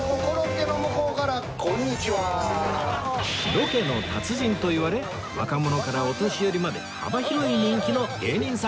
ロケの達人といわれ若者からお年寄りまで幅広い人気の芸人さんなんです